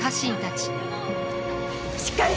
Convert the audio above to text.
しっかり！